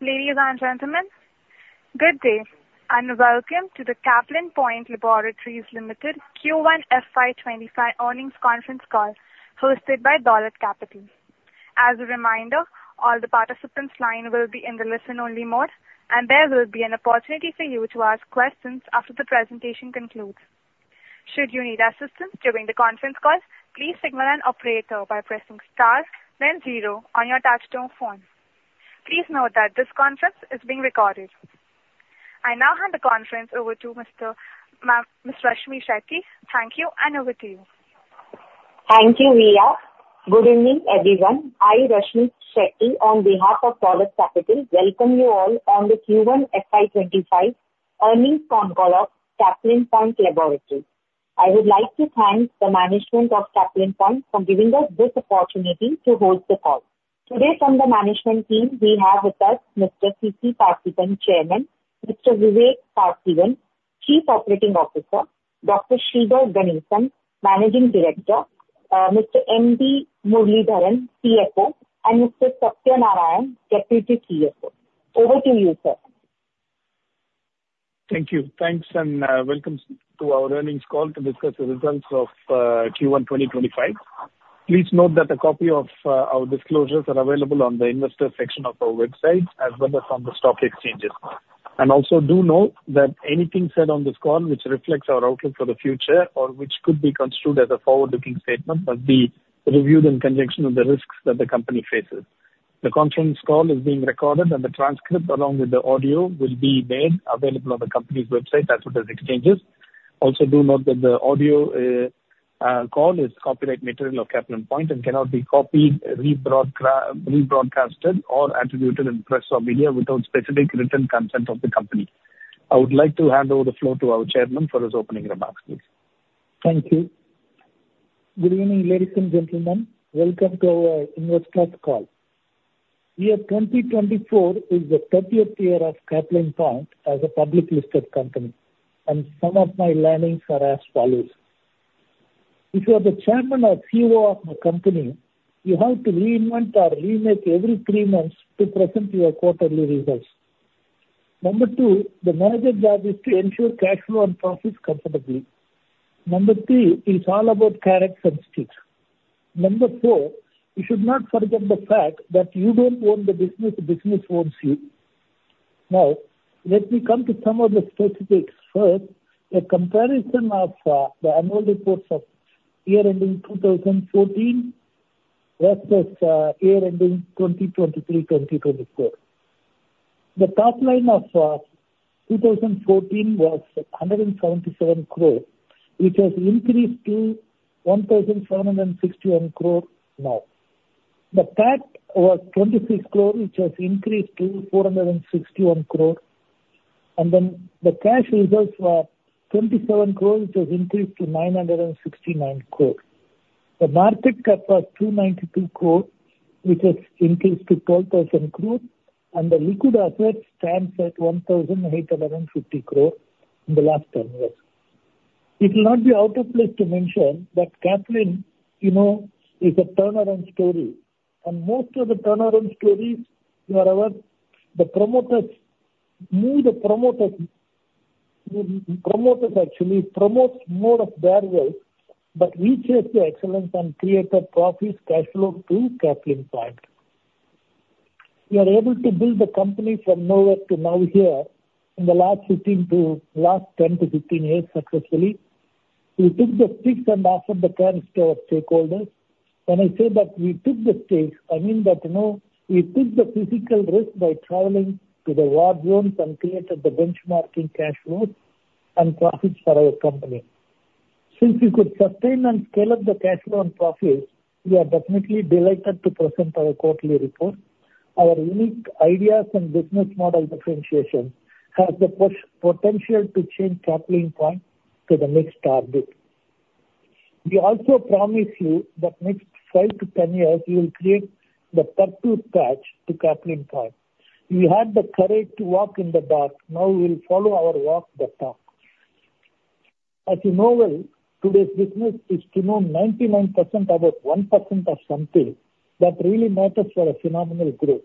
Ladies and gentlemen, good day and welcome to the Caplin Point Laboratories Limited Q1 FY 2025 earnings conference call hosted by Dolat Capital. As a reminder, all the participants' lines will be in the listen-only mode, and there will be an opportunity for you to ask questions after the presentation concludes. Should you need assistance during the conference call, please signal an operator by pressing star then zero on your touch-tone phone. Please note that this conference is being recorded. I now hand the conference over to Ms. Rashmi Shetty. Thank you, and over to you. Thank you, Lia. Good evening, everyone. I, Rashmi Shetty, on behalf of Dolat Capital, welcome you all on the Q1 FY 2025 earnings call of Caplin Point Laboratories. I would like to thank the management of Caplin Point for giving us this opportunity to host the call. Today, from the management team, we have with us Mr. C.C. Paarthipan, Chairman, Mr. Vivek Partheeban, Chief Operating Officer, Dr. Sridhar Ganesan, Managing Director, Mr. D. Muralidharan, CFO, and Mr. Sathya Narayanan, Deputy CFO. Over to you, sir. Thank you. Thanks, and welcome to our earnings call to discuss the results of Q1 2025. Please note that a copy of our disclosures is available on the investor section of our website, as well as on the stock exchanges. Also, do note that anything said on this call, which reflects our outlook for the future or which could be construed as a forward-looking statement, must be reviewed in conjunction with the risks that the company faces. The conference call is being recorded, and the transcript, along with the audio, will be made available on the company's website as well as exchanges. Also, do note that the audio call is copyright material of Caplin Point and cannot be copied, rebroadcast, or attributed in press or media without specific written consent of the company. I would like to hand over the floor to our chairman for his opening remarks, please. Thank you. Good evening, ladies and gentlemen. Welcome to our investor call. The year 2024 is the 30th year of Caplin Point as a public-listed company, and some of my learnings are as follows. If you are the chairman or COO of the company, you have to reinvent or remake every three months to present your quarterly results. Number two, the manager's job is to ensure cash flow and profits comfortably. Number three, it's all about care and substitute. Number four, you should not forget the fact that you don't own the business. The business owns you. Now, let me come to some of the specifics. First, a comparison of the annual reports of year-ending 2014 versus year-ending 2023-2024. The top line of 2014 was 177 crore, which has increased to 1,461 crore now. The PAT was 26 crore, which has increased to 461 crore. Then the cash results were 27 crore, which has increased to 969 crore. The market cap was 292 crore, which has increased to 12,000 crore, and the liquid assets stand at 1,850 crore in the last 10 years. It will not be out of place to mention that Caplin is a turnaround story. Most of the turnaround stories, however, the promoters, promoters, actually, promote more of their wealth but reach the excellence and create a profit cash flow to Caplin Point. We are able to build the company from nowhere to now here in the last 10-15 years successfully. We took the stakes and offered the fairness to our stakeholders. When I say that we took the stakes, I mean that we took the physical risk by traveling to the war zones and created the benchmarking cash flows and profits for our company. Since we could sustain and scale up the cash flow and profits, we are definitely delighted to present our quarterly report. Our unique ideas and business model differentiation has the potential to change Caplin Point to the next target. We also promise you that next 5-10 years, we will create the purple patch to Caplin Point. We had the courage to walk in the dark. Now we'll follow our walk the talk. As you know, today's business is to know 99% about 1% of something that really matters for a phenomenal growth.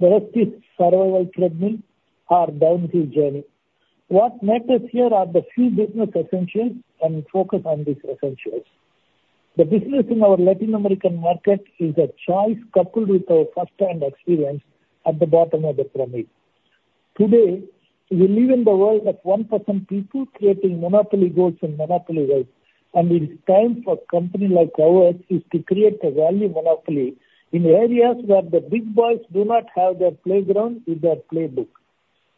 The rest is survival thread means our downfield journey. What matters here are the few business essentials and focus on these essentials. The business in our Latin American market is a choice coupled with our first-hand experience at the bottom of the pyramid. Today, we live in the world of 1% people creating monopoly goals and monopoly wealth, and it is time for a company like ours to create a value monopoly in areas where the big boys do not have their playground with their playbook.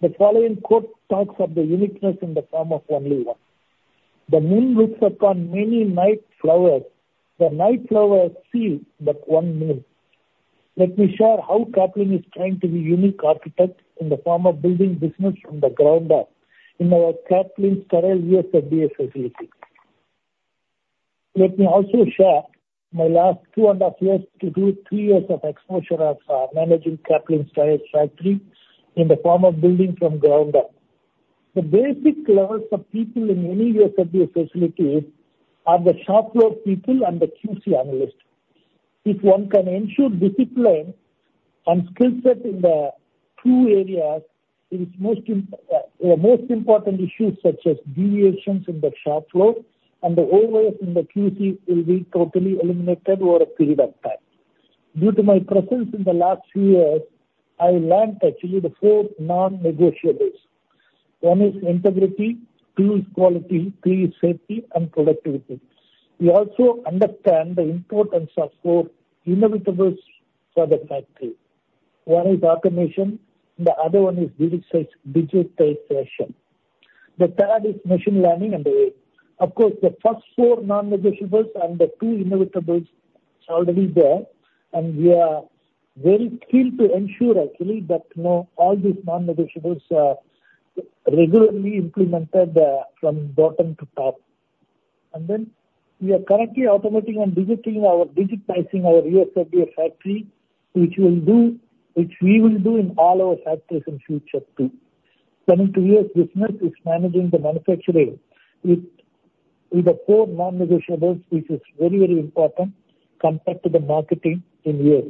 The following quote talks of the uniqueness in the form of only one. "The moon looks upon many night flowers. The night flowers see but one moon." Let me share how Caplin is trying to be a unique architect in the form of building business from the ground up in our Caplin Steriles USFDA facility. Let me also share my last 2.5 to 3 years of exposure of managing Caplin Steriles factories in the form of building from ground up. The basic levels of people in any USFDA facility are the shop floor people and the QC analyst. If one can ensure discipline and skill set in the two areas, the most important issues such as deviations in the shop floor and the overheads in the QC will be totally eliminated over a period of time. Due to my presence in the last few years, I learned actually the four non-negotiables. One is integrity, two is quality, three is safety, and productivity. We also understand the importance of four inevitables for the factory. One is automation, the other one is digitization. The third is machine learning and AI. Of course, the first four non-negotiables and the two inevitables are already there, and we are very keen to ensure actually that all these non-negotiables are regularly implemented from bottom to top. And then we are currently automating and digitizing our USFDA factory, which we will do in all our factories in the future too. 22 years business is managing the manufacturing with the 4 non-negotiables, which is very, very important compared to the marketing in U.S.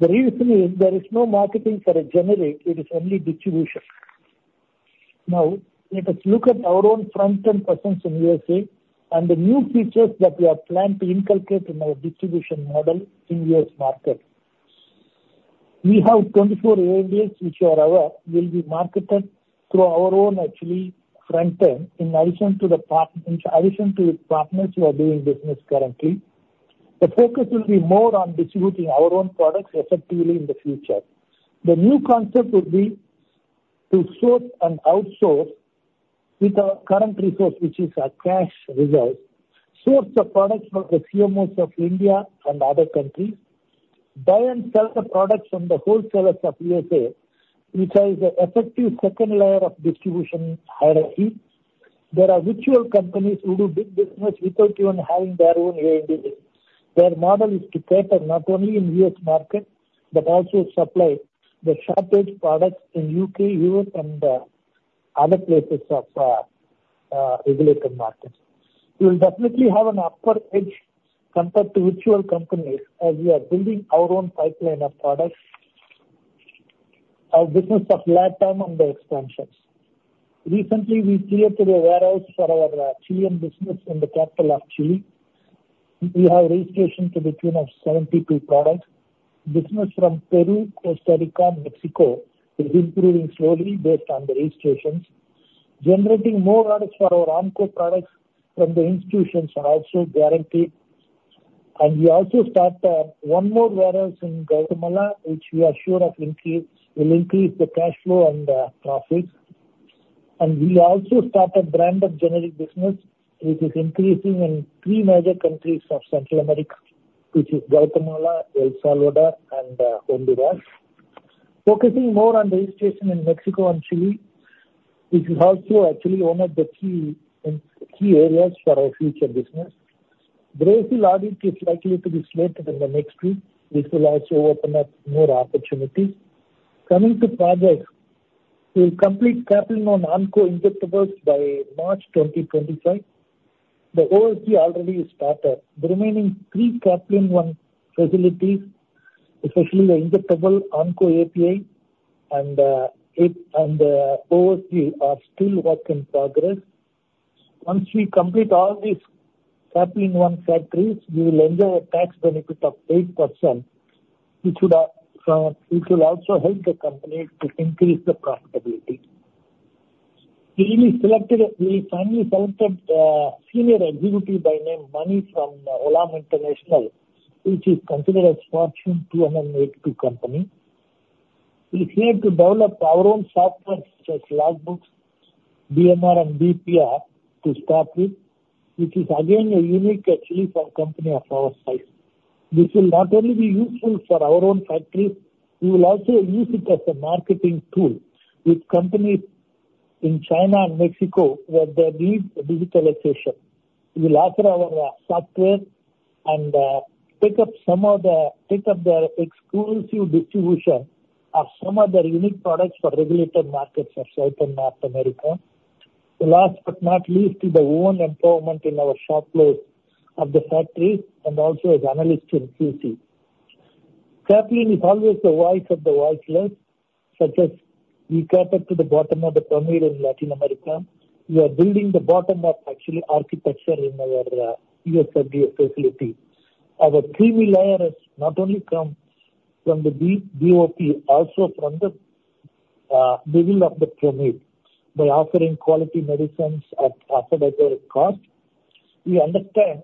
The reason is there is no marketing for a generic. It is only distribution. Now, let us look at our own front-end presence in U.S.A. and the new features that we are planning to inculcate in our distribution model in U.S. market. We have 24 areas which will be marketed through our own actually front-end in addition to the partners who are doing business currently. The focus will be more on distributing our own products effectively in the future. The new concept would be to source and outsource with our current resource, which is our cash reserves. Source the products from the CMOs of India and other countries. Buy and sell the products from the wholesalers of U.S.A., which is an effective second layer of distribution hierarchy. There are rival companies who do big business without even having their own ANDAs. Their model is to cater not only in U.S. market but also supply the shortage products in U.K., Europe, and other places of regulated markets. We will definitely have an upper edge compared to rival companies as we are building our own pipeline of products, our business of lifetime and the expansions. Recently, we created a warehouse for our Chilean business in the capital of Chile. We have registration to the tune of 72 products. Business from Peru, Costa Rica, and Mexico is improving slowly based on the registrations. Generating more orders for our onco products from the institutions are also guaranteed. And we also started one more warehouse in Guatemala, which we are sure will increase the cash flow and the profits. We also started a brand of generic business, which is increasing in three major countries of Central America, which is Guatemala, El Salvador, and Honduras. Focusing more on registration in Mexico and Chile, which is also actually one of the key areas for our future business. Brazil audit is likely to be slated in the next week, which will also open up more opportunities. Coming to projects, we'll complete Caplin on onco injectables by March 2025. The OSD already started. The remaining three Caplin One facilities, especially the injectable onco API and OSD, are still work in progress. Once we complete all these Caplin One factories, we will enjoy a tax benefit of 8%, which will also help the company to increase the profitability. We finally selected a senior executive by name Mani from Olam International, which is considered a Fortune 500 company. We're here to develop our own software such as logbooks, BMR, and BPR to start with, which is again a unique actually for a company of our size. This will not only be useful for our own factories. We will also use it as a marketing tool with companies in China and Mexico where they need digitalization. We will offer our software and pick up some of the exclusive distribution of some of the unique products for regulated markets of South and North America. Last but not least, the own empowerment in our shop floors of the factories and also as analysts in QC. Caplin is always the wife of the wifeless, such as we cater to the bottom of the pyramid in Latin America. We are building the bottom-up actually architecture in our USFDA facility. Our premium layer is not only from the BOP, also from the middle of the pyramid by offering quality medicines at affordable cost. We understand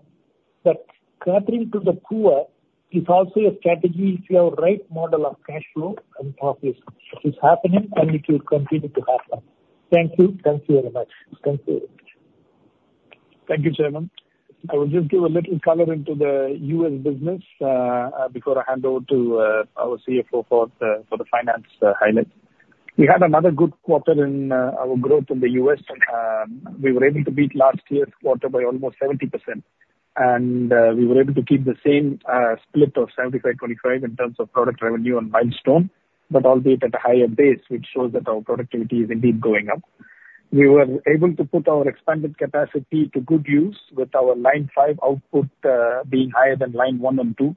that catering to the poor is also a strategy if you have the right model of cash flow and profits. It's happening, and it will continue to happen. Thank you. Thank you very much. Thank you very much. Thank you, Chairman. I will just give a little color into the U.S. business before I hand over to our CFO for the finance highlights. We had another good quarter in our growth in the U.S. We were able to beat last year's quarter by almost 70%, and we were able to keep the same split of 75/25 in terms of product revenue and milestone, but albeit at a higher base, which shows that our productivity is indeed going up. We were able to put our expanded capacity to good use with our Line 5 output being higher than Line 1 and 2.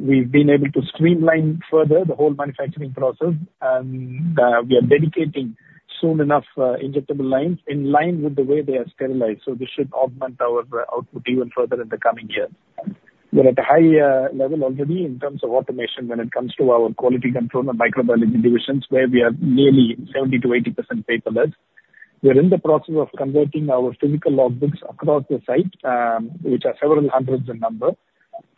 We've been able to streamline further the whole manufacturing process, and we are dedicating soon enough injectable lines in line with the way they are sterilized, so this should augment our output even further in the coming years. We're at a high level already in terms of automation when it comes to our quality control and microbiology divisions, where we are nearly 70%-80% paperless. We're in the process of converting our physical logbooks across the site, which are several hundreds in number,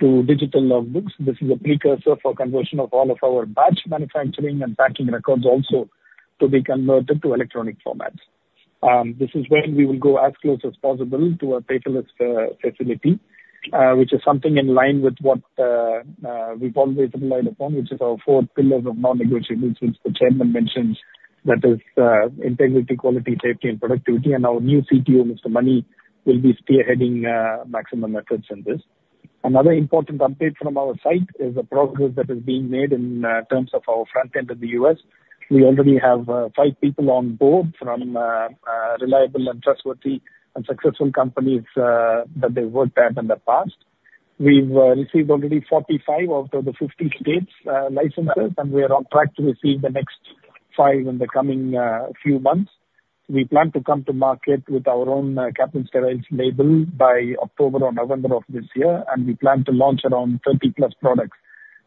to digital logbooks. This is a precursor for conversion of all of our batch manufacturing and packing records also to be converted to electronic formats. This is when we will go as close as possible to a paperless facility, which is something in line with what we've always relied upon, which is our four pillars of non-negotiables which the Chairman mentioned, that is integrity, quality, safety, and productivity. Our new CTO, Mr. Mani, will be spearheading maximum efforts in this. Another important update from our site is the progress that is being made in terms of our front-end in the U.S. We already have five people on board from reliable and trustworthy and successful companies that they've worked at in the past. We've received already 45 out of the 50 states licenses, and we are on track to receive the next five in the coming few months. We plan to come to market with our own Caplin Steriles label by October or November of this year, and we plan to launch around 30+ products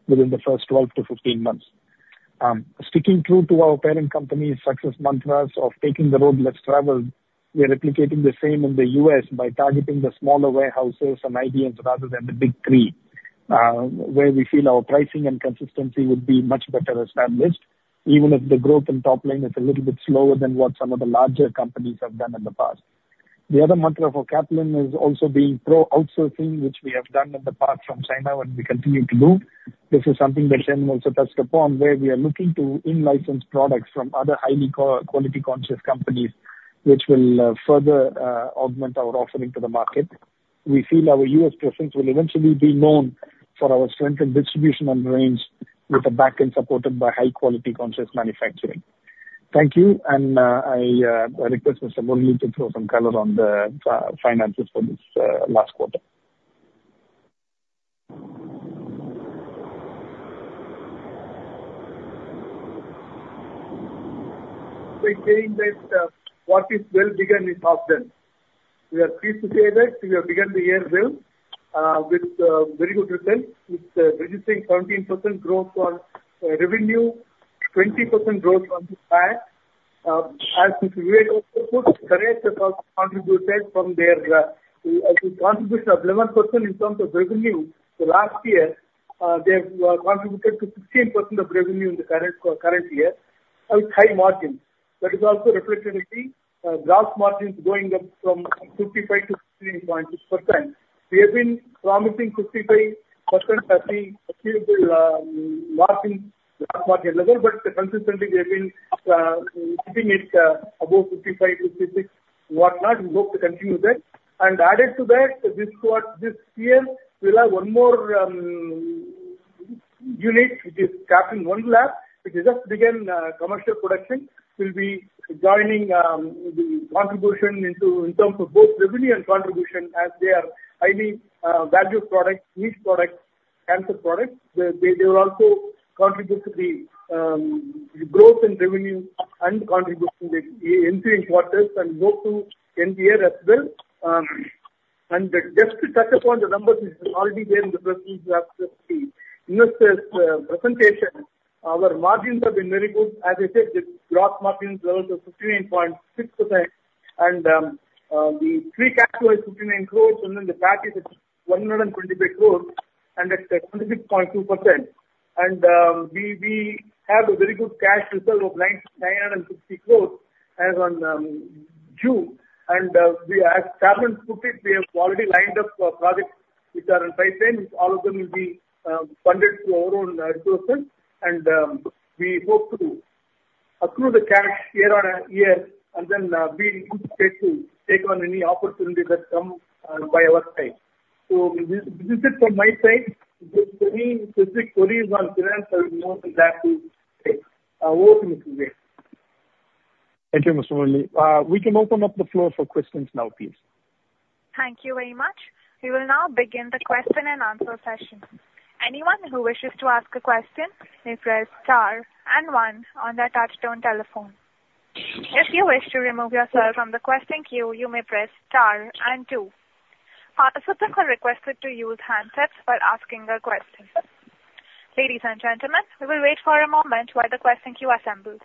within the first 12-15 months. Sticking true to our parent company's success mantras of taking the road less traveled, we are replicating the same in the U.S. by targeting the smaller warehouses and IDNs rather than the big three, where we feel our pricing and consistency would be much better established, even if the growth in top lane is a little bit slower than what some of the larger companies have done in the past. The other mantra for Caplin is also being pro-outsourcing, which we have done in the past from China and we continue to do. This is something that Chairman also touched upon, where we are looking to in-license products from other highly quality-conscious companies, which will further augment our offering to the market. We feel our U.S. presence will eventually be known for our strength in distribution and range with a backend supported by high-quality conscious manufacturing. Thank you, and I request Mr. Murali to throw some color on the finances for this last quarter. We're saying that what is well begun is often. We are pleased to say that we have begun the year well with very good results, with registering 17% growth on revenue, 20% growth on PAT. As we also put current contributors from their contribution of 11% in terms of revenue last year, they have contributed to 16% of revenue in the current year with high margins. That is also reflected in the gross margins going up from 55% to 69.6%. We have been promising 55% achievable margins, gross margin level, but consistently we have been keeping it above 55, 56, whatnot. We hope to continue that. Added to that, this year we'll have one more unit, which is Caplin One Lab, which has just begun commercial production, will be joining the contribution in terms of both revenue and contribution as they are highly value products, niche products, cancer products. They will also contribute to the growth in revenue and contribution this entering quarter, and we hope to end the year as well. Just to touch upon the numbers, it's already there in the presentation of the investors' presentation. Our margins have been very good. As I said, the gross margin is also 59.6%, and the free cash was 59 crore, and then the PAT is at 125 crore and at 26.2%. We have a very good cash reserves of 960 crore as of June. As Caplin put it, we have already lined up projects which are in pipeline. All of them will be funded through our own resources, and we hope to accrue the cash year on a year, and then we need to take on any opportunities that come by our side. So this is it from my side. If there are any specific queries on finance, I will be more than happy to take a word in this regard. Thank you, Mr. Murali. We can open up the floor for questions now, please. Thank you very much. We will now begin the question-and-answer session. Anyone who wishes to ask a question may press star and one on their touch-tone telephone. If you wish to remove yourself from the question queue, you may press star and two. Participants are requested to use handsets while asking a question. Ladies and gentlemen, we will wait for a moment while the question queue assembles.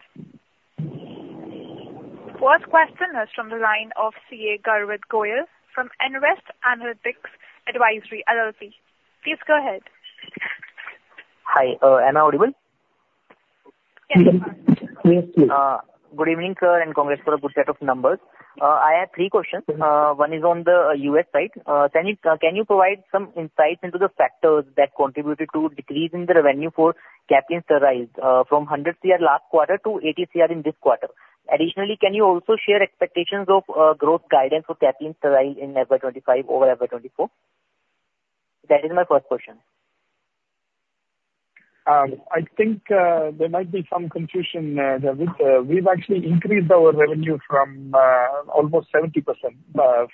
First question is from the line of CA Garvit Goyal from Nvest Analytics Advisory LLP. Please go ahead. Hi. Am I audible? Yes. Thank you. Good evening, sir, and congrats for a good set of numbers. I had three questions. One is on the U.S. side. Can you provide some insights into the factors that contributed to decreasing the revenue for Caplin Steriles from 100 crore last quarter to 80 crore in this quarter? Additionally, can you also share expectations of growth guidance for Caplin Steriles in FY 2025 over FY 2024? That is my first question. I think there might be some confusion there. We've actually increased our revenue from almost 70%.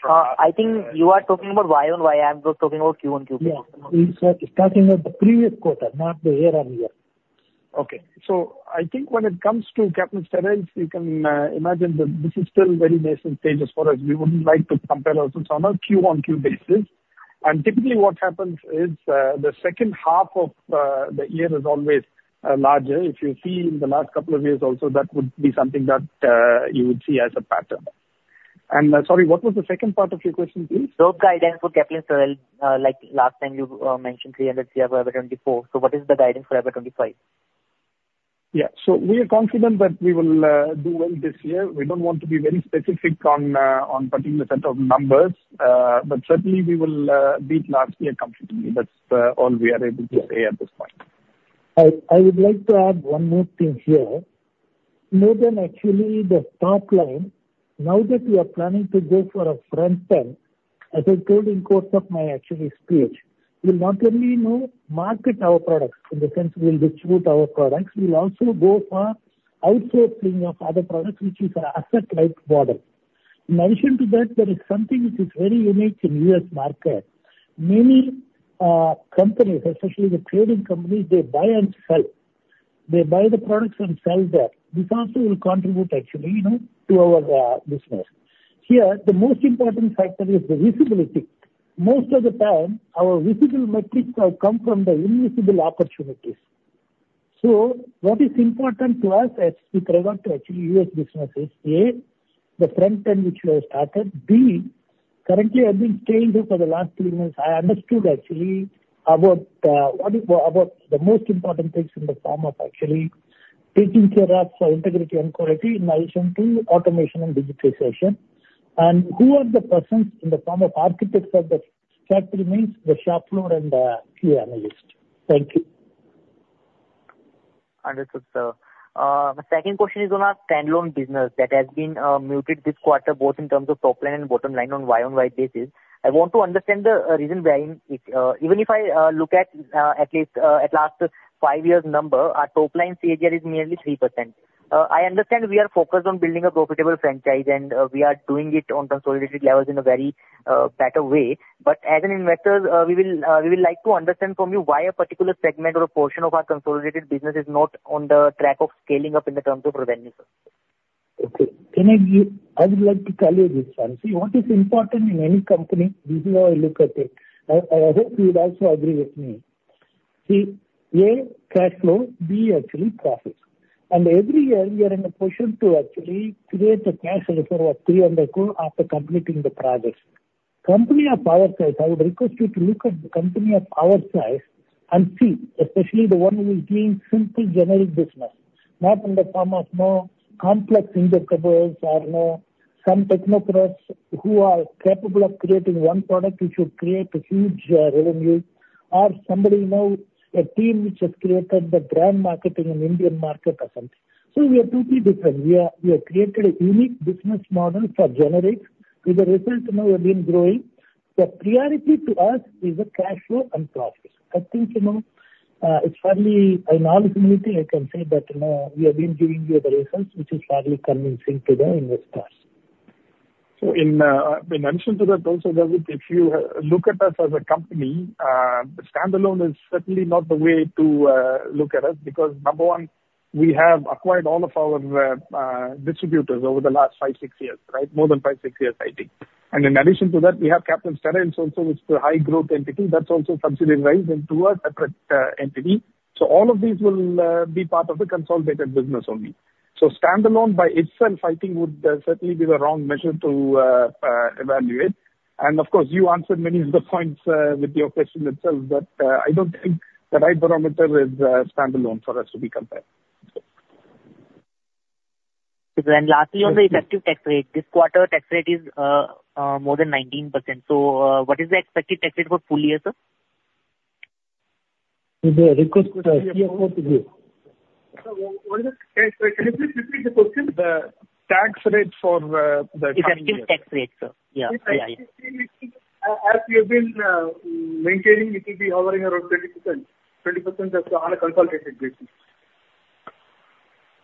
I think you are talking about YoY. I'm just talking about QoQ. Yeah. It's starting with the previous quarter, not the year-on-year. Okay. So I think when it comes to Caplin Steriles, you can imagine that this is still very nascent stages for us. We wouldn't like to compare also on a Q-on-Q basis. And typically what happens is the second half of the year is always larger. If you see in the last couple of years also, that would be something that you would see as a pattern. And sorry, what was the second part of your question, please? Growth guidance for Caplin Steriles, like last time you mentioned 300 crore for FY 2024. What is the guidance for FY 2025? Yeah. So we are confident that we will do well this year. We don't want to be very specific on particular set of numbers, but certainly we will beat last year comfortably. That's all we are able to say at this point. I would like to add one more thing here. More than actually the top line, now that we are planning to go for a front-end, as I told in course of my actual speech, we'll not only market our products in the sense we'll distribute our products, we'll also go for outsourcing of other products, which is an asset-like model. In addition to that, there is something which is very unique in the U.S. market. Many companies, especially the trading companies, they buy and sell. They buy the products and sell there. This also will contribute actually to our business. Here, the most important factor is the visibility. Most of the time, our visible metrics have come from the invisible opportunities. So what is important to us with regard to actually U.S. business is, A, the front-end which we have started, B, currently I've been staying here for the last three months, I understood actually about the most important things in the form of actually taking care of integrity and quality in addition to automation and digitization. Who are the persons in the form of architects of the factory, means the shop floor, and the key analysts. Thank you. Understood, sir. My second question is on our standalone business that has been muted this quarter, both in terms of top line and bottom line on Y-on-Y basis. I want to understand the reason behind it. Even if I look at least at the last five years' number, our top line CAGR is merely 3%. I understand we are focused on building a profitable franchise, and we are doing it on consolidated levels in a very better way. But as an investor, we will like to understand from you why a particular segment or a portion of our consolidated business is not on the track of scaling up in the terms of revenue. Okay. I would like to tell you this. See, what is important in any company, this is how I look at it. I hope you would also agree with me. See, A, cash flow, B, actually profits. And every year we are in a position to actually create a cash reserve of 300 crore after completing the projects. Company of our size, I would request you to look at the company of our size and see, especially the one who is doing simple generic business, not in the form of no complex injectables or no some technocrats who are capable of creating one product which will create a huge revenue or somebody knows a team which has created the brand marketing in Indian market or something. So we are totally different. We have created a unique business model for generics. With the result, we have been growing. The priority to us is the cash flow and profits. I think it's fairly an honest meeting. I can say that we have been giving you the results, which is fairly convincing to the investors. So I mentioned to that also, Garvit, if you look at us as a company, standalone is certainly not the way to look at us because number one, we have acquired all of our distributors over the last five, six years, right? More than five, six years, I think. And in addition to that, we have Caplin Steriles also, which is a high-growth entity. That's also subsidiary and to us a separate entity. So all of these will be part of the consolidated business only. So standalone by itself, I think, would certainly be the wrong measure to evaluate. And of course, you answered many of the points with your question itself, but I don't think the right barometer is standalone for us to be compared. Lastly, on the effective tax rate, this quarter tax rate is more than 19%. What is the expected tax rate for full year, sir? I request to ask you a quote again. Can you please repeat the question? The tax rate for the tax rate? The effective tax rate, sir. Yeah. This year, as we have been maintaining, it will be hovering around 20%, 20% on a consolidated basis.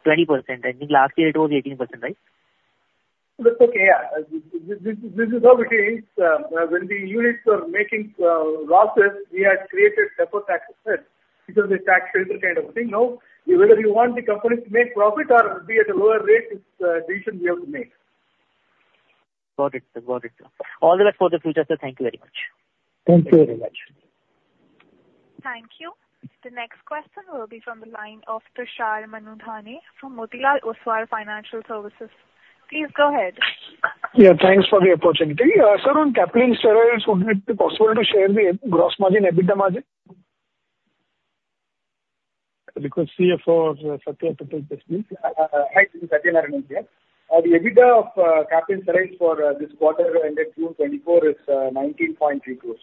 20%. I think last year it was 18%, right? That's okay. Yeah. This is how it is. When the units were making losses, we had created separate tax rates because they taxed every kind of thing. Now, whether you want the company to make profit or be at a lower rate, it's a decision we have to make. Got it. Got it. All the best for the future, sir. Thank you very much. Thank you very much. Thank you. The next question will be from the line of Tushar Manudhane from Motilal Oswal Financial Services. Please go ahead. Yeah. Thanks for the opportunity. Sir, on Caplin Steriles, would it be possible to share the gross margin, EBITDA margin? Request CFO or Sathya to take this, please. Hi, this is Sathya Narayanan here. The EBITDA of Caplin Steriles for this quarter ended June 2024 is 19.3 crores.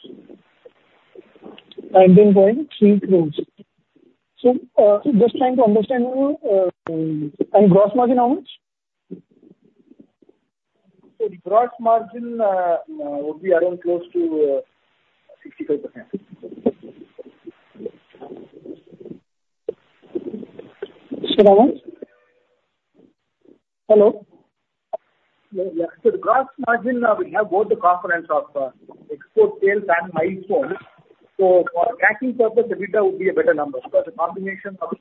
19.3 crores. Just trying to understand you. Gross margin, how much? So the gross margin would be around close to 55%. Sir? Hello? Yeah. So the gross margin, we have both the confluence of export sales and milestones. So for tracking purpose, EBITDA would be a better number because the combination of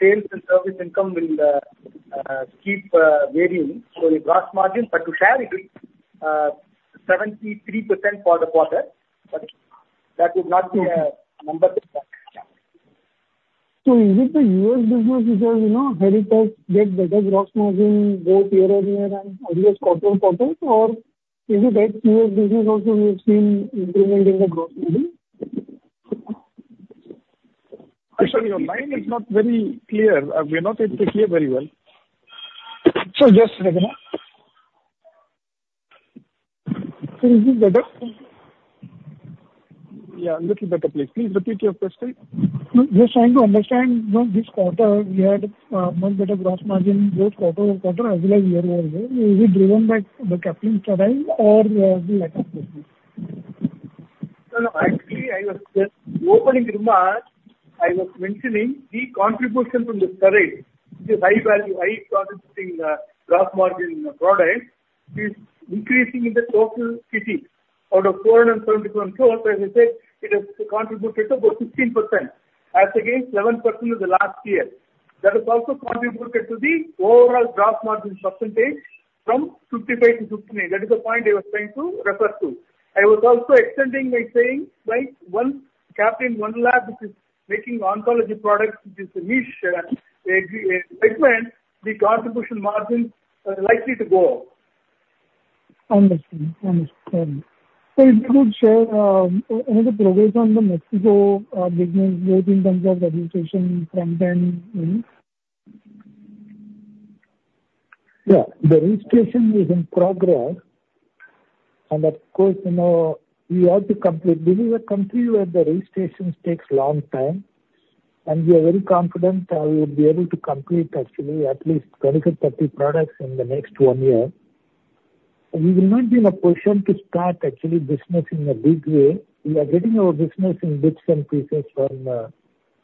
sales and service income will keep varying. So the gross margin, but to share it, 73% for the quarter, but that would not be a number. Is it the U.S. business which has had a better gross margin both year-over-year and quarter-over-quarter, or is it that U.S. business also we have seen increment in the gross margin? Actually, your line is not very clear. We are not able to hear very well. Sir, just a second. Is this better? Yeah, a little better, please. Please repeat your question. Just trying to understand, this quarter we had much better gross margin both quarter-over-quarter as well as year-over-year. Is it driven by the Caplin Steriles or the lack of Caplin Steriles? Actually, I was just opening remarks. I was mentioning the contribution from the Steriles, which is high value, high-margin product, is increasing in the total CT out of 471 crore. As I said, it has contributed about 16%, as against 11% in the last year. That has also contributed to the overall gross margin percentage from 55%-59%. That is the point I was trying to refer to. I was also extending by saying once Caplin One Lab, which is making oncology products, which is a niche segment, the contribution margin is likely to go up. Understood. Understood. So if you could share any progress on the Mexico business both in terms of registration front-end? Yeah. The registration is in progress. And of course, we have to complete. This is a country where the registration takes a long time. And we are very confident we will be able to complete actually at least 20-30 products in the next one year. We will not be in a position to start actually business in a big way. We are getting our business in bits and pieces from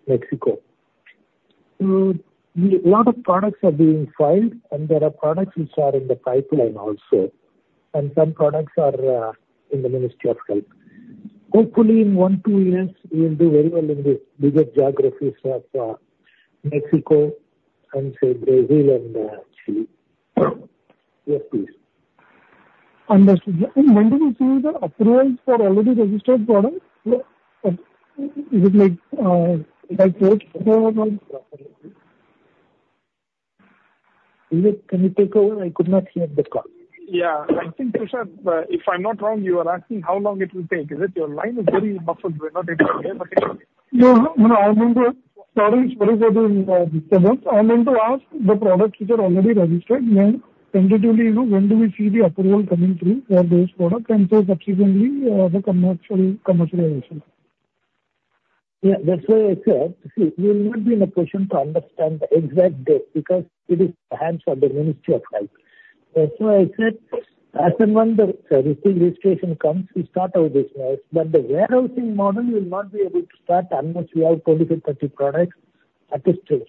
Mexico. So a lot of products are being filed, and there are products which are in the pipeline also. And some products are in the Ministry of Health. Hopefully, in one or two years, we will do very well in the bigger geographies of Mexico and say Brazil and Chile. Yes, please. Understood. When did you say the approvals for already registered products? Is it like five years? Is it? Can you take over? I could not hear the call. Yeah. I think, Prashal, if I'm not wrong, you are asking how long it will take. Is it? Your line is very muffled. We're not able to hear what it is. Yeah. No, sorry, sorry for the disturbance. I'm going to ask the products which are already registered, when tentatively do we see the approval coming through for those products and so subsequently the commercialization? Yeah. That's why I said we will not be in a position to understand the exact date because it is perhaps for the Ministry of Health. That's why I said as and when the registration comes, we start our business. But the warehousing model will not be able to start unless we have 20-30 products at this stage.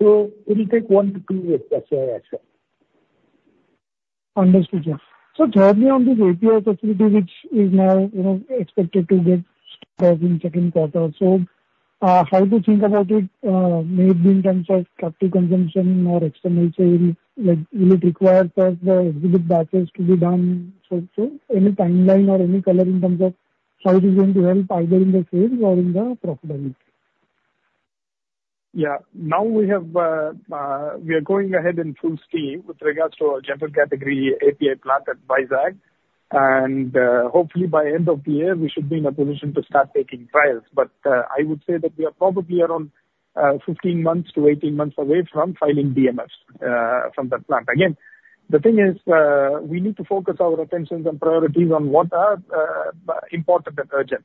So it will take one to two weeks, that's why I said. Understood, sir. So tell me on the API facility, which is now expected to get started in second quarter. So how do you think about it? Maybe in terms of captive consumption or external sales, will it require the exhibit batches to be done? So any timeline or any color in terms of how it is going to help either in the sales or in the profitability? Yeah. Now we are going ahead in full steam with regards to our general category API plant at Vizag. Hopefully by end of the year, we should be in a position to start taking trials. I would say that we are probably around 15-18 months away from filing DMFs from the plant. Again, the thing is we need to focus our attentions and priorities on what are important and urgent,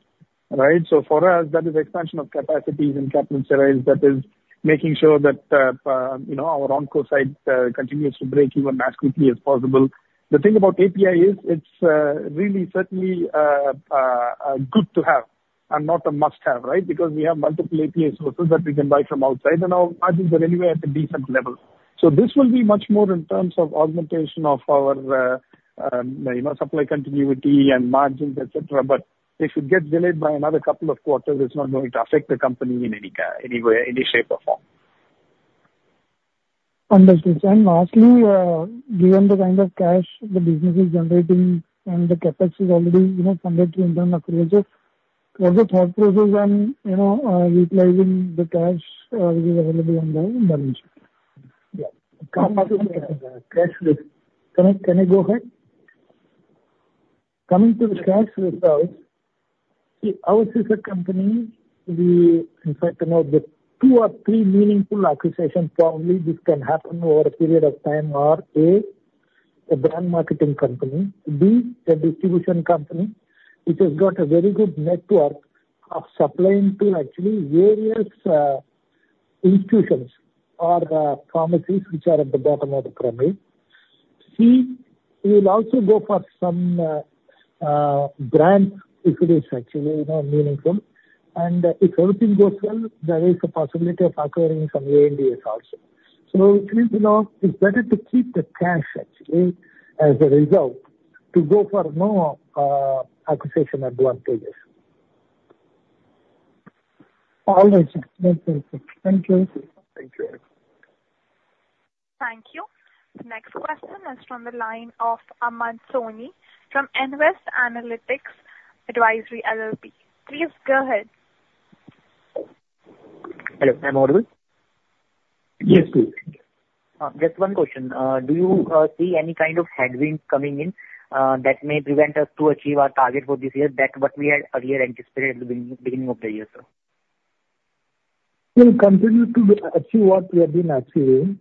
right? For us, that is expansion of capacities in Caplin Steriles. That is making sure that our oncocyte continues to break even as quickly as possible. The thing about API is it's really certainly good to have and not a must-have, right? Because we have multiple API sources that we can buy from outside, and our margins are anywhere at a decent level. This will be much more in terms of augmentation of our supply continuity and margins, etc. But if it gets delayed by another couple of quarters, it's not going to affect the company in any way, any shape or form. Understood. Lastly, given the kind of cash the business is generating and the CapEx is already funded through internal approaches, what's the thought process on utilizing the cash which is available on the balance sheet? Yeah. Can I go ahead? Coming to the cash results, see, I was with a company. In fact, the two or three meaningful acquisitions probably this can happen over a period of time are A, a brand marketing company, B, a distribution company which has got a very good network of supplying to actually various institutions or pharmacies which are at the bottom of the pyramid. C, we will also go for some brand if it is actually meaningful. And if everything goes well, there is a possibility of acquiring some ANDA also. So it is better to keep the cash actually as a result to go for more acquisition advantages. All right, sir. Thank you. Thank you. Thank you. Thank you. The next question is from the line of Aman Soni from Nvest Analytics Advisory LLP. Please go ahead. Hello. I'm audible? Yes, please. Just one question. Do you see any kind of headwinds coming in that may prevent us to achieve our target for this year, that what we had earlier anticipated at the beginning of the year, sir? We will continue to achieve what we have been achieving.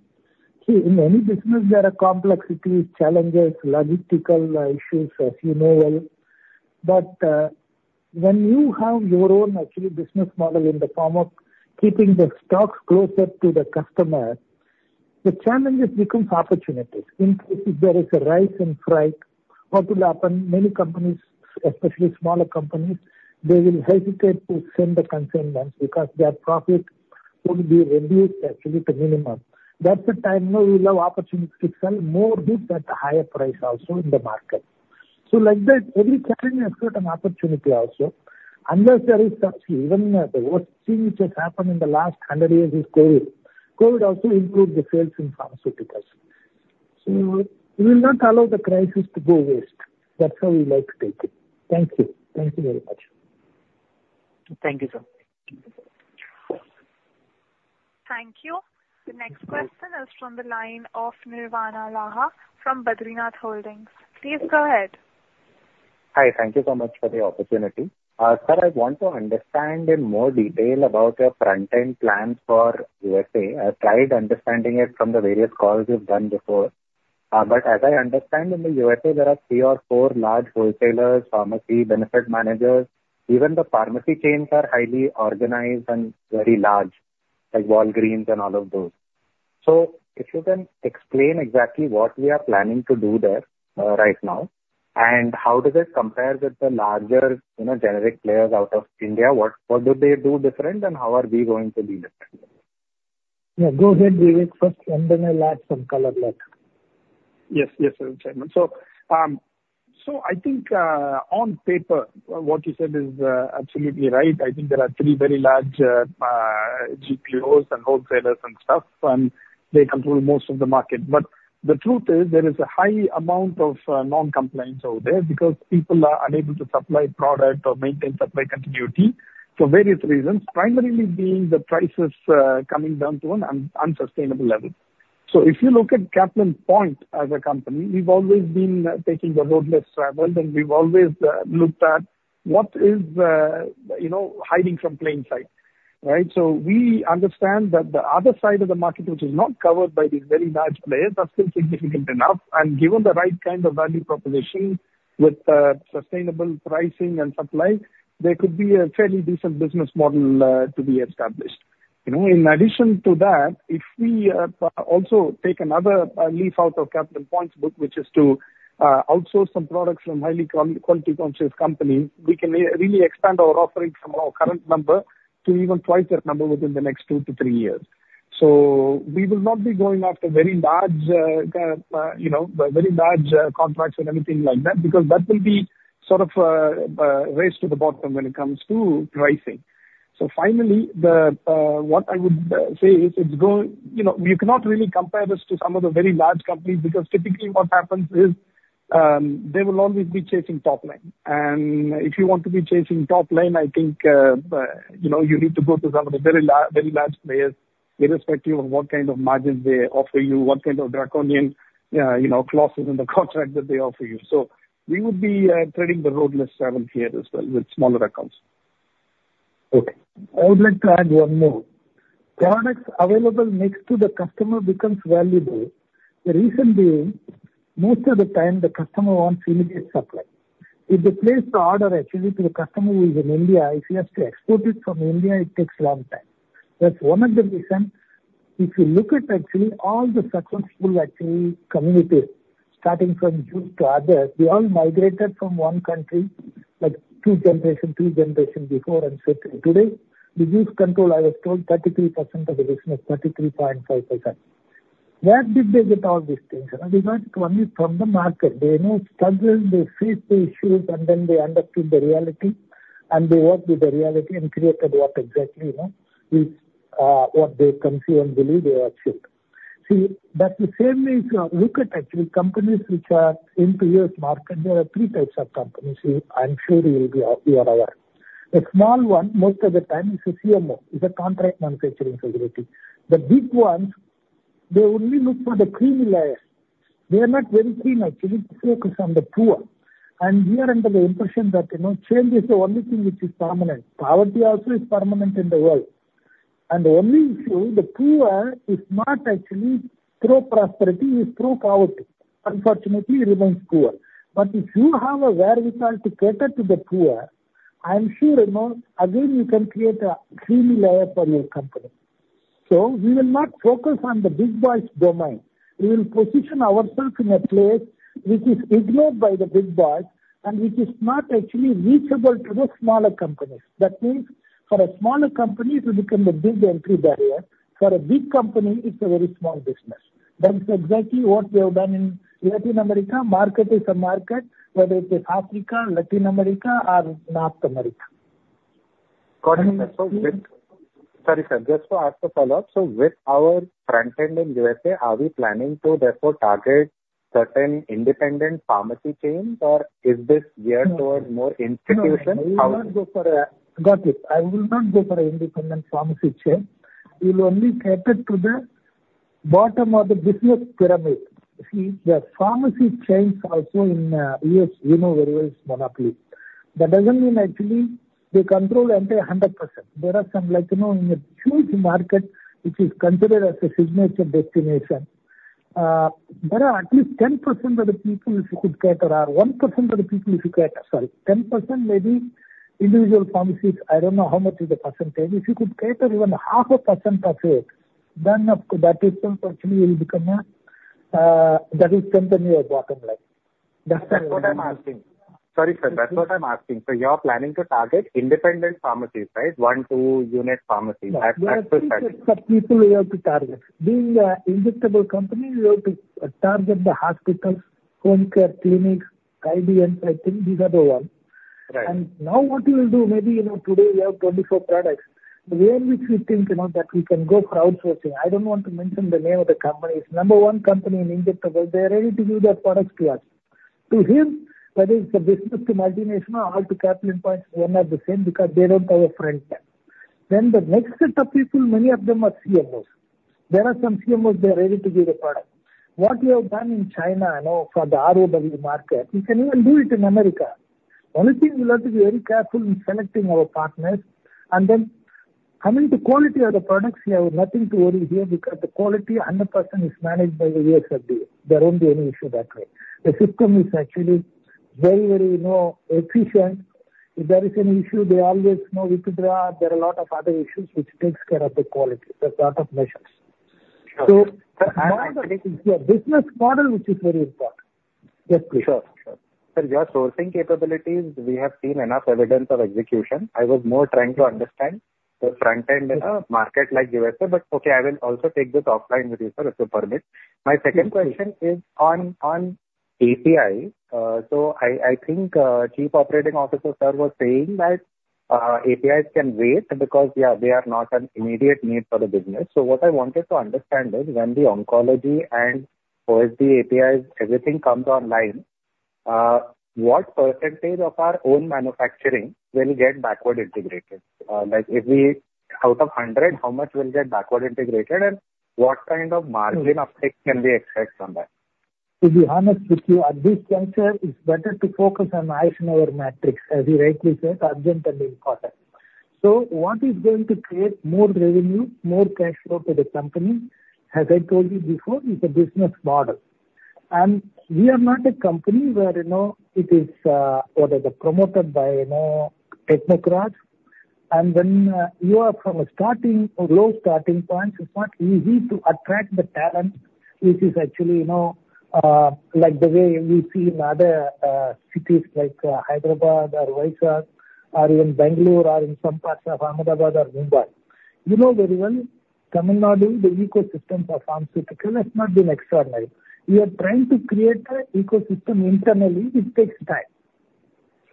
See, in any business, there are complexities, challenges, logistical issues, as you know well. But when you have your own actually business model in the form of keeping the stocks closer to the customer, the challenges become opportunities. In case there is a rise in strike, what will happen? Many companies, especially smaller companies, they will hesitate to send the consignments because their profit would be reduced actually to minimum. That's the time. We will have opportunities to sell more goods at a higher price also in the market. So like that, every challenge has got an opportunity also. Unless there is such even the worst thing which has happened in the last 100 years is COVID. COVID also improved the sales in pharmaceuticals. So we will not allow the crisis to go waste. That's how we like to take it. Thank you. Thank you very much. Thank you, sir. Thank you. The next question is from the line of Nirvana Laha from Badrinath Holdings. Please go ahead. Hi. Thank you so much for the opportunity. Sir, I want to understand in more detail about your front-end plan for USA. I've tried understanding it from the various calls we've done before. But as I understand, in the USA, there are three or four large wholesalers, pharmacy benefit managers. Even the pharmacy chains are highly organized and very large, like Walgreens and all of those. So if you can explain exactly what we are planning to do there right now, and how does it compare with the larger generic players out of India? What do they do differently, and how are we going to be different? Yeah. Go ahead, Vivek. First, and then I'll add some color block. Yes. Yes, sir. So I think on paper, what you said is absolutely right. I think there are three very large GPOs and wholesalers and stuff, and they control most of the market. But the truth is there is a high amount of non-compliance over there because people are unable to supply product or maintain supply continuity for various reasons, primarily being the prices coming down to an unsustainable level. So if you look at Caplin Point as a company, we've always been taking the road less traveled, and we've always looked at what is hiding from plain sight, right? So we understand that the other side of the market, which is not covered by these very large players, are still significant enough. And given the right kind of value proposition with sustainable pricing and supply, there could be a fairly decent business model to be established. In addition to that, if we also take another leaf out of Caplin Point's book, which is to outsource some products from highly quality-conscious companies, we can really expand our offering from our current number to even twice that number within the next two-three years. We will not be going after very large contracts and everything like that because that will be sort of race to the bottom when it comes to pricing. Finally, what I would say is you cannot really compare this to some of the very large companies because typically what happens is they will always be chasing top line. If you want to be chasing top line, I think you need to go to some of the very large players, irrespective of what kind of margins they offer you, what kind of draconian clauses in the contract that they offer you. So we would be trading the road less traveled here as well with smaller accounts. Okay. I would like to add one more. Products available next to the customer becomes valuable. Recently, most of the time, the customer wants immediate supply. If they place the order actually to the customer who is in India, if he has to export it from India, it takes a long time. That's one of the reasons. If you look at actually all the successful actually communities, starting from Jews to others, they all migrated from one country like two generations, three generations before, and said, "Today, the Jews control, I was told, 33% of the business, 33.5%." Where did they get all these things? They got it only from the market. They know struggles, they face the issues, and then they understood the reality, and they worked with the reality and created what exactly is what they conceive and believe they achieved. See, that's the same way if you look at actually companies which are into U.S. market. There are three types of companies I'm sure you are aware. The small one, most of the time, is a CMO, is a contract manufacturing facility. The big ones, they only look for the creamy layer. They are not very keen actually to focus on the poor. And we are under the impression that change is the only thing which is permanent. Poverty also is permanent in the world. And the only issue, the poor is not actually pro-prosperity. He's pro-poverty. Unfortunately, he remains poor. But if you have a wherewithal to cater to the poor, I'm sure again you can create a creamy layer for your company. So we will not focus on the big boys' domain. We will position ourselves in a place which is ignored by the big boys and which is not actually reachable to the smaller companies. That means for a smaller company, it will become the big entry barrier. For a big company, it's a very small business. That's exactly what we have done in Latin America. Market is a market, whether it is Africa, Latin America, or North America. Sorry, sir. Just to follow up, so with our front-end in USA, are we planning to therefore target certain independent pharmacy chains, or is this geared towards more institutions? No, we will not go for a got it. I will not go for an independent pharmacy chain. We will only cater to the bottom of the business pyramid. See, the pharmacy chains also in U.S., you know where it is monopoly. That doesn't mean actually they control 100%. There are some like in a huge market which is considered as a signature destination. There are at least 10% of the people if you could cater or 1% of the people if you cater. Sorry. 10% maybe individual pharmacies. I don't know how much is the percentage. If you could cater even 0.5% of it, then that will become that will strengthen your bottom line. That's what I'm asking. Sorry, sir. That's what I'm asking. You are planning to target independent pharmacies, right? One, two-unit pharmacies. That's the strategy. That's the people we have to target. Being an injectable company, we have to target the hospitals, home care, clinics, IDNs. I think these are the ones. And now what we will do, maybe today we have 24 products. The way in which we think that we can go for outsourcing, I don't want to mention the name of the company. It's number one company in injectables. They are ready to give their products to us. To him, whether it's a business to multinational or to Caplin Point, it's one and the same because they don't have a friend there. Then the next set of people, many of them are CMOs. There are some CMOs they are ready to give the product. What we have done in China for the ROW market, we can even do it in America. The only thing we'll have to be very careful in selecting our partners. And then coming to quality of the products, we have nothing to worry here because the quality 100% is managed by the USFDA. There won't be any issue that way. The system is actually very, very efficient. If there is any issue, there are a lot of other issues which takes care of the quality. There's a lot of measures. So I want to make it clear. Business model, which is very important. Yes, please. Sure. Sure. For your sourcing capabilities, we have seen enough evidence of execution. I was more trying to understand the front-end market like USA. But okay, I will also take this offline with you, sir, if you permit. My second question is on API. So I think Chief Operating Officer, sir, was saying that APIs can wait because, yeah, they are not an immediate need for the business. So what I wanted to understand is when the oncology and OSD APIs, everything comes online, what percentage of our own manufacturing will get backward integrated? If we out of 100, how much will get backward integrated, and what kind of margin uptake can we expect from that? To be honest with you, at this juncture, it's better to focus on Eisenhower Matrix, as you rightly said, urgent and important. So what is going to create more revenue, more cash flow to the company? As I told you before, it's a business model. And we are not a company where it is promoted by technocrats. And when you are from a starting or low starting points, it's not easy to attract the talent, which is actually like the way we see in other cities like Hyderabad or Vizag or even Bangalore or in some parts of Ahmedabad or Mumbai. You know very well, Tamil Nadu, the ecosystem for pharmaceutical has not been externalized. We are trying to create an ecosystem internally. It takes time.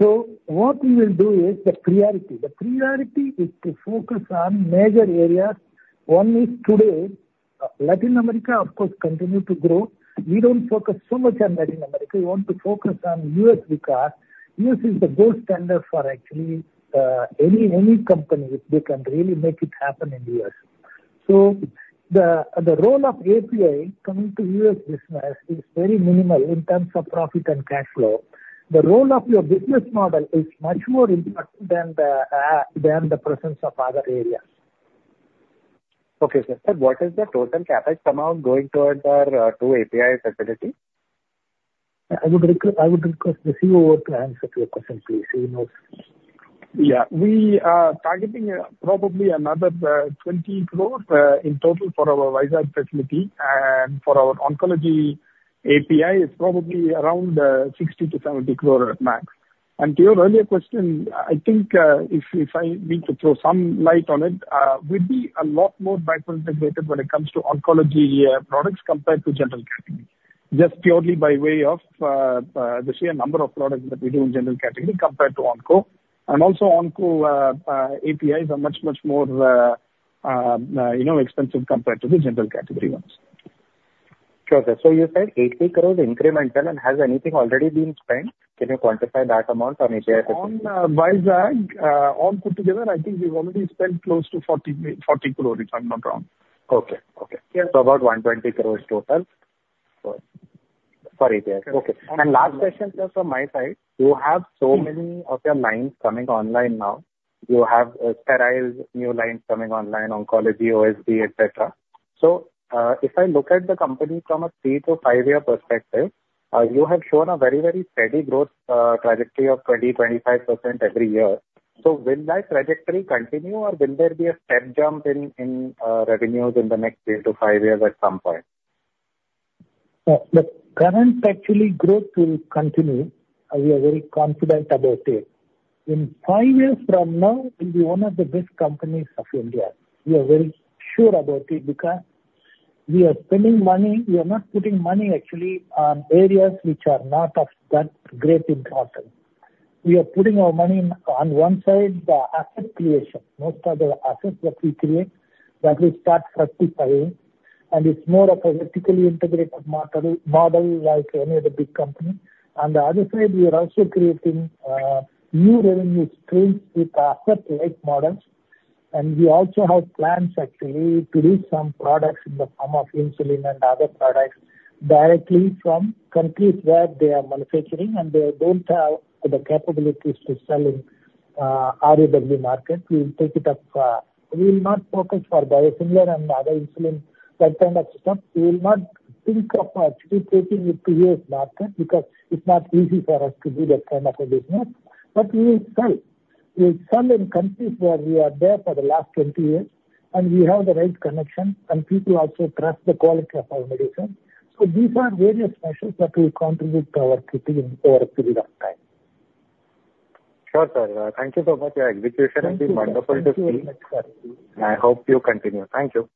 So what we will do is the priority. The priority is to focus on major areas. One is today, Latin America, of course, continues to grow. We don't focus so much on Latin America. We want to focus on U.S. because U.S. is the gold standard for actually any company if they can really make it happen in the U.S. The role of API coming to U.S. business is very minimal in terms of profit and cash flow. The role of your business model is much more important than the presence of other areas. Okay, sir. What is the total CapEx amount going towards our API facilities? I would request the COO to answer your question, please. He knows. Yeah. We are targeting probably another 20 crore in total for our Vizag facility. For our oncology API, it's probably around 60 crore-70 crore at max. To your earlier question, I think if I need to throw some light on it, we'd be a lot more backward integrated when it comes to oncology products compared to general category. Just purely by way of the sheer number of products that we do in general category compared to onco. Also onco APIs are much, much more expensive compared to the general category ones. Got it. You said 80 crore incremental. Has anything already been spent? Can you quantify that amount on API facilities? On Vizag, all put together, I think we've already spent close to 40 crore, if I'm not wrong. Okay. Okay. So about 120 crore total. Sorry. Okay. And last question just from my side. You have so many of your lines coming online now. You have sterile new lines coming online, oncology, OSD, etc. So if I look at the company from a three- to five-year perspective, you have shown a very, very steady growth trajectory of 20%-25% every year. So will that trajectory continue, or will there be a step jump in revenues in the next three to five years at some point? The current actual growth will continue. We are very confident about it. In five years from now, we'll be one of the best companies of India. We are very sure about it because we are spending money. We are not putting money actually on areas which are not of that great importance. We are putting our money on one side, the asset creation. Most of the assets that we create, that we start fructifying. It's more of a vertically integrated model like any other big company. On the other side, we are also creating new revenue streams with asset-like models. We also have plans actually to do some products in the form of insulin and other products directly from countries where they are manufacturing, and they don't have the capabilities to sell in ROW market. We will take it up. We will not focus for biosimilar and other insulin, that kind of stuff. We will not think of actually taking it to U.S. market because it's not easy for us to do that kind of a business. We will sell. We will sell in countries where we are there for the last 20 years, and we have the right connection, and people also trust the quality of our medicine. These are various measures that will contribute to our team over a period of time. Sure, sir. Thank you so much. Your execution has been wonderful to see. And I hope you continue. Thank you.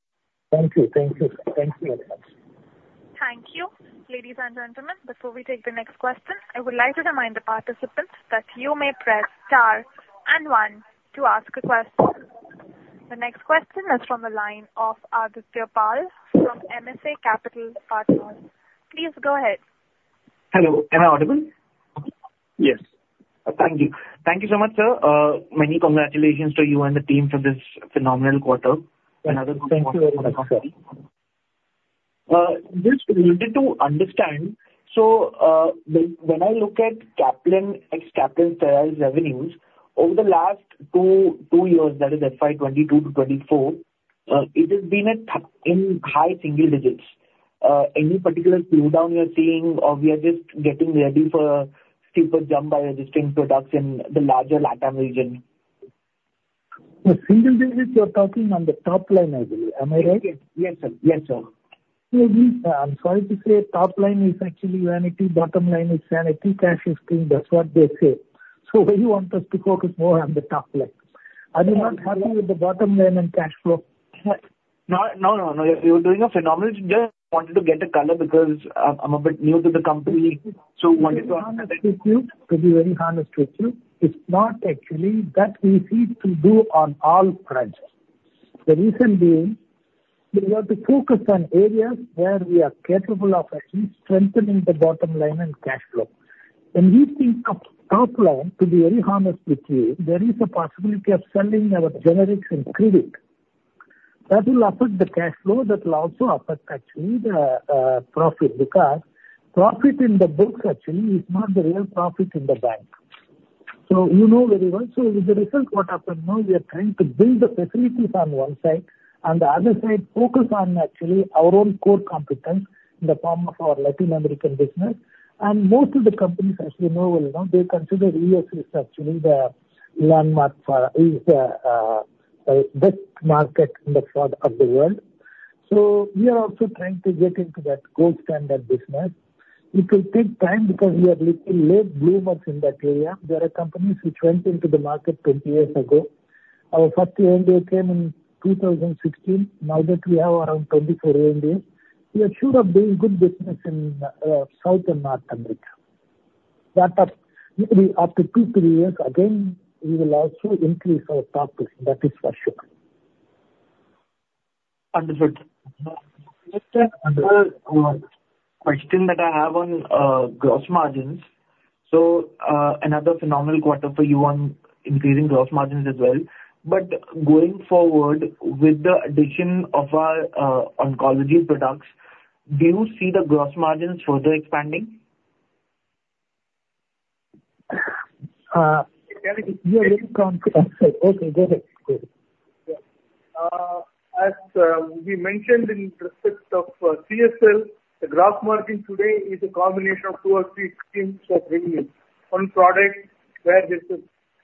Thank you. Thank you. Thank you very much. Thank you, ladies and gentlemen. Before we take the next question, I would like to remind the participants that you may press star and one to ask a question. The next question is from the line of Adityapal from MSA Capital Partners. Please go ahead. Hello. Am I audible? Yes. Thank you. Thank you so much, sir. Many congratulations to you and the team for this phenomenal quarter. Another question for the company. Just wanted to understand. So when I look at Caplin, ex-Caplin Steriles, sterile revenues over the last two years, that is FY 2022 to 2024, it has been in high single digits. Any particular slowdown you're seeing, or we are just getting ready for a steeper jump by registering products in the larger LATAM region? Single digits, you're talking on the top line, I believe. Am I right? Yes, sir. Yes, sir. I'm sorry to say, top line is actually vanity. Bottom line is vanity, cash is king. That's what they say. So they want us to focus more on the top line. Are you not happy with the bottom line and cash flow? No, no, no. You're doing a phenomenal job. I wanted to get a color because I'm a bit new to the company. So wanted to understand. To be very honest with you, it's not actually that we need to do on all fronts. The reason being, we have to focus on areas where we are capable of at least strengthening the bottom line and cash flow. When we think of top line, to be very honest with you, there is a possibility of selling our generics and creams. That will affect the cash flow. That will also affect actually the profit because profit in the books actually is not the real profit in the bank. So you know very well. So as a result, what happened now, we are trying to build the facilities on one side and the other side focus on actually our own core competence in the form of our Latin American business. Most of the companies, as you know, will know, they consider U.S. is actually the landmark for is the best market in the front of the world. So we are also trying to get into that gold standard business. It will take time because we are little late bloomers in that area. There are companies which went into the market 20 years ago. Our first ANDA came in 2016. Now that we have around 24 ANDAs, we are sure of doing good business in South and North America. That up to two to three years, again, we will also increase our top line. That is for sure. Understood. Question that I have on gross margins. So another phenomenal quarter for you on increasing gross margins as well. But going forward with the addition of our oncology products, do you see the gross margins further expanding? We are very confident. Okay. Go ahead. As we mentioned in respect of CSL, the gross margin today is a combination of two or three streams of revenue on product where there's a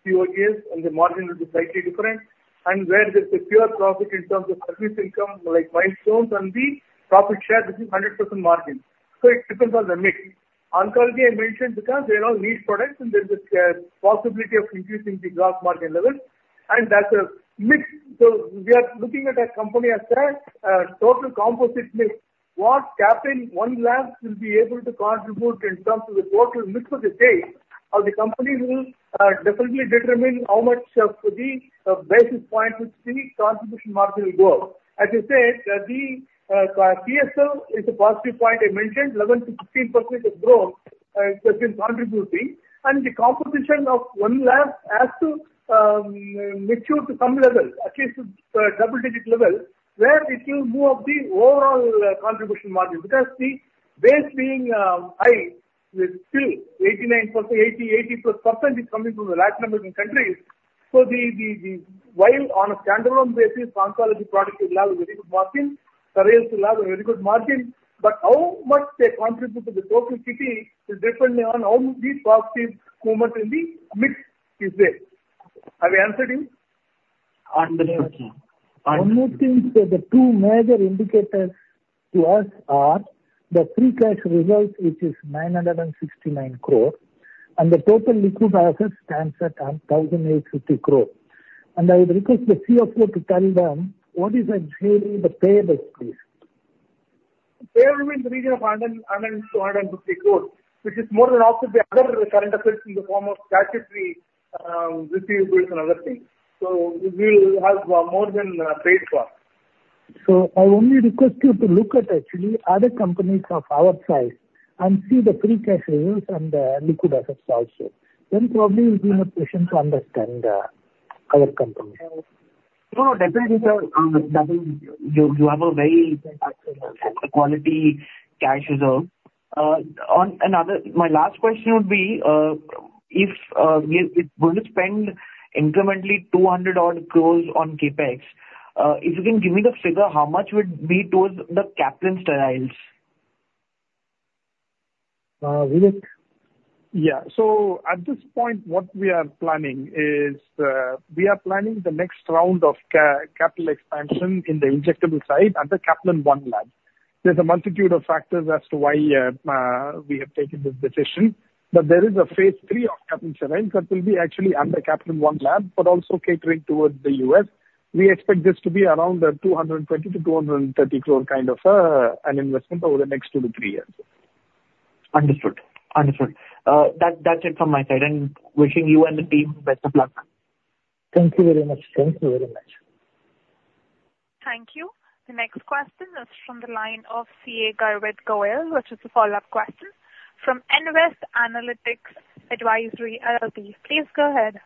COGS and the margin is slightly different. Where there's a pure profit in terms of service income like milestones and the profit share, this is 100% margin. So it depends on the mix. Oncology, I mentioned because they are all niche products and there's a possibility of increasing the gross margin level. That's a mix. So we are looking at a company as a total composite mix. What Caplin One Labs will be able to contribute in terms of the total mix of the day of the company will definitely determine how much of the basis point which the contribution margin will go. As you said, the CSL is a positive point. I mentioned 11%-15% of growth has been contributing. The composition of One Labs has to mature to some level, at least to double-digit level, where it will move up the overall contribution margin because the base being high with still 89%, 80-80+% is coming from the Latin American countries. While on a standalone basis, oncology product will have a very good margin. Steriles will have a very good margin. But how much they contribute to the total kitty is depending on how much the positive movement in the mix is there. Have I answered you? Understood. One more thing. So the two major indicators to us are the free cash result, which is 969 crore, and the total liquid assets stands at 1,850 crore. And I would request the CFO to tell them what is actually the payable, please. Payable means a region of 1,250 crore, which is more than half of the other current assets in the form of statutory receivables and other things. So we will have more than paid for. I only request you to look at actually other companies of our size and see the free cash reserve and the liquid assets also. Probably you'll be in a position to understand other companies. No, no. Definitely, sir. You have a very good quality cash reserve. My last question would be, if we're going to spend incrementally 200-odd crore on CapEx, if you can give me the figure, how much would be towards the Caplin Steriles? Yeah. So at this point, what we are planning is we are planning the next round of capital expansion in the injectable side under Caplin Point Lab. There's a multitude of factors as to why we have taken this decision. But there is a phase III of Caplin Steriles that will be actually under Caplin Point Lab, but also catering toward the U.S. We expect this to be around 220 crore-230 crore kind of an investment over the next two to three years. Understood. Understood. That's it from my side. Wishing you and the team best of luck. Thank you very much. Thank you very much. Thank you. The next question is from the line of CA Garvit Goyal, which is a follow-up question. From Nvest Analytics Advisory LLP, please go ahead.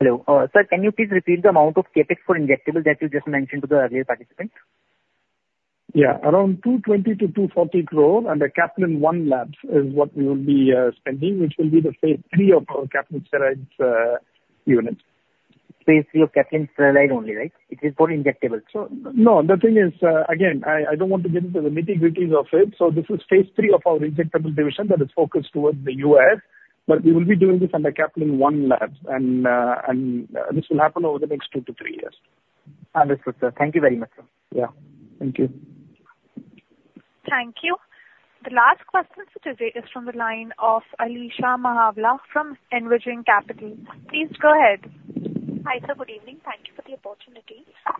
Hello. Sir, can you please repeat the amount of CapEx for injectable that you just mentioned to the earlier participant? Yeah. Around 220 crore-240 crore under Caplin One Labs is what we will be spending, which will be the phase three of our Caplin Steriles unit. phase III of Caplin Steriles only, right? It is for injectable. No, the thing is, again, I don't want to get into the nitty-gritties of it. So this is phase III of our injectable division that is focused towards the U.S. But we will be doing this under Caplin One Labs. And this will happen over the next two to three years. Understood, sir. Thank you very much, sir. Yeah. Thank you. Thank you. The last question for today is from the line of Alisha Mahawla from Envision Capital. Please go ahead. Hi, sir. Good evening. Thank you for the opportunity. A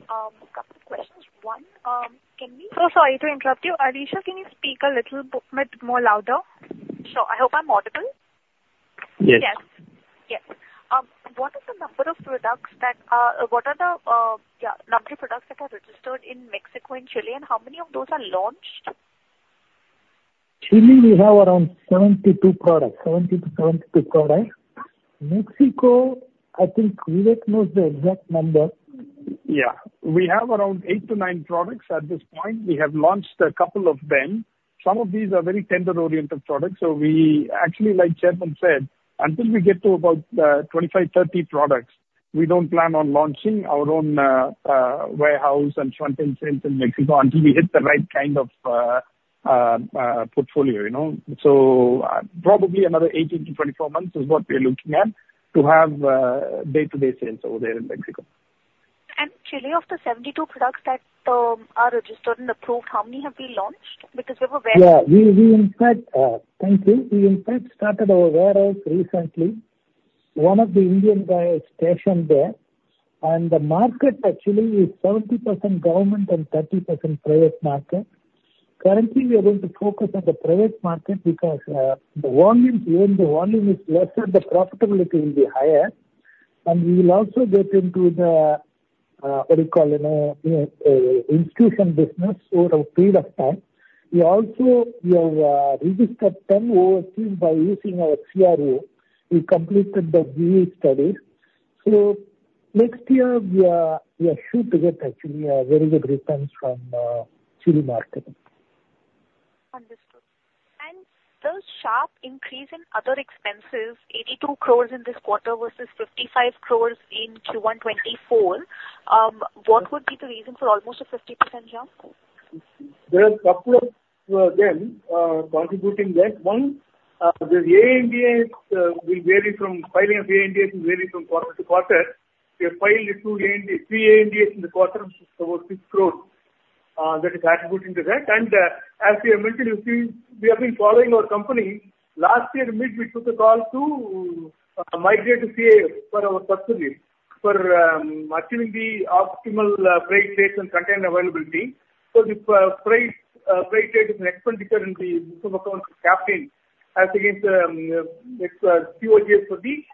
couple of questions. One, can we? Oh, sorry to interrupt you. Alisha, can you speak a little bit more louder? Sure. I hope I'm audible. Yes. Yes. Yes. What are the number of products that are registered in Mexico and Chile? And how many of those are launched? Chile, we have around 72 products, 70-72 products. Mexico, I think Vivek knows the exact number. Yeah. We have around eight to nine products at this point. We have launched a couple of them. Some of these are very tender-oriented products. So we actually, like Chairman said, until we get to about 25-30 products, we don't plan on launching our own warehouse and front-end sales in Mexico until we hit the right kind of portfolio. So probably another 18-24 months is what we're looking at to have day-to-day sales over there in Mexico. Chile, of the 72 products that are registered and approved, how many have we launched? Because we have a warehouse. Yeah. Thank you. We, in fact, started our warehouse recently. One of the Indian guys stationed there. The market actually is 70% government and 30% private market. Currently, we are going to focus on the private market because the volume is lesser, the profitability will be higher. We will also get into the, what do you call it, institutional business over a period of time. We also registered overseas by using our CRO. We completed the BE study. Next year, we are sure to get actually a very good returns from Chile market. Understood. Those sharp increase in other expenses, 82 crores in this quarter versus 55 crores in Q1 2024, what would be the reason for almost a 50% jump? There are a couple of them contributing there. One, the ANDAs will vary from filing of ANDAs will vary from quarter to quarter. We have filed three ANDAs in the quarter which is over 6 crore that is attributing to that. And as we have mentioned, we have been following our company. Last year, in mid-year, we took a call to migrate to CA for our subsidiary for achieving the optimal freight rates and constant availability. So the freight rate is an expenditure in the book of accounts of Caplin as against its COGS for the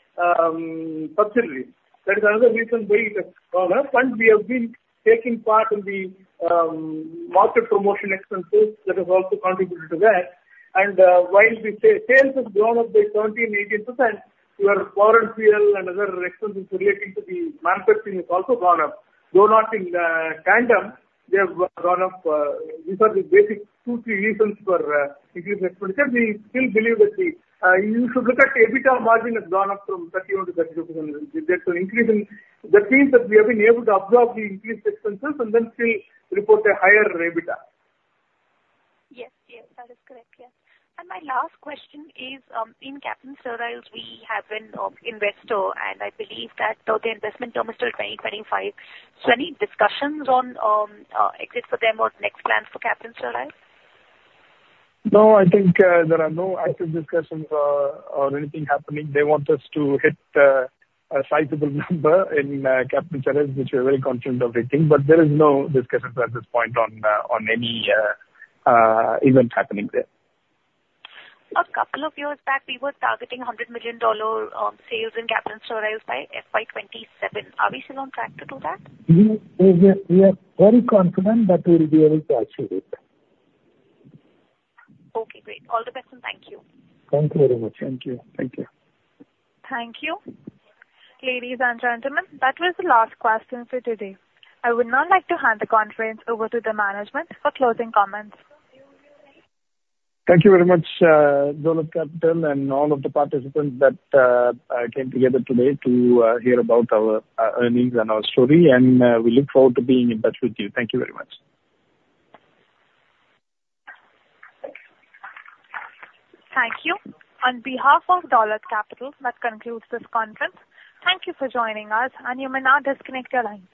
subsidiary. That is another reason why it has gone up. And we have been taking part in the market promotion expenses that has also contributed to that. And while the sales have grown up by 17%-18%, your forex and other expenses relating to the manufacturing has also gone up. Though not in tandem, they have gone up. These are the basic two, three reasons for increased expenditure. We still believe that. You should look at EBITDA margin has gone up from 31% to 32%. That's an increase in that means that we have been able to absorb the increased expenses and then still report a higher EBITDA. Yes. Yes. That is correct. Yes. And my last question is, in Caplin Steriles, we have been invested. And I believe that the investment term is till 2025. So any discussions on exit for them or next plans for Caplin Steriles? No, I think there are no active discussions or anything happening. They want us to hit a sizable number in Caplin Steriles, which we are very confident of hitting. But there is no discussion at this point on any event happening there. A couple of years back, we were targeting $100 million sales in Caplin Steriles by FY 2027. Are we still on track to do that? We are very confident that we will be able to achieve it. Okay. Great. All the best and thank you. Thank you very much. Thank you. Thank you. Thank you. Ladies and gentlemen, that was the last question for today. I would now like to hand the conference over to the management for closing comments. Thank you very much, Dolat Capital, and all of the participants that came together today to hear about our earnings and our story. We look forward to being in touch with you. Thank you very much. Thank you. On behalf of Dolat Capital, that concludes this conference. Thank you for joining us. You may now disconnect your lines.